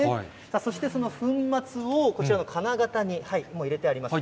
そしてその粉末を、こちらの金型に、もう入れてあります。